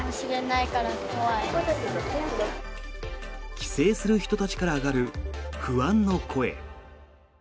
帰省する人たちから上がる不安の声。